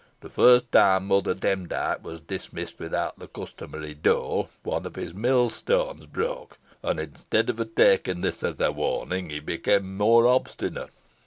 The first time Mother Demdike was dismissed without the customary dole, one of his millstones broke, and, instead of taking this as a warning, he became more obstinate.